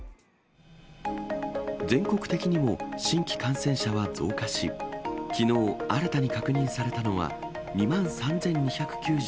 全国的にも新規感染者は増加し、きのう新たに確認されたのは、２万３２９９人。